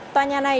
tòa nhà này